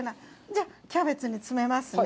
じゃあ、キャベツに詰めますね。